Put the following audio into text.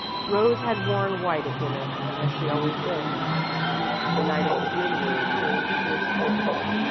Rose had worn white at dinner, as she always did, now, the night the June moon came to its full.